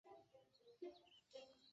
建筑二层和三层为大展厅。